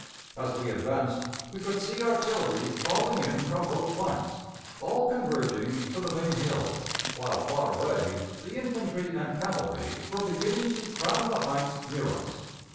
As we advanced we could see artillery crawling in from both flanks, all converging to the main hill, while far away the infantry and cavalry were beginning to crown the heights near us.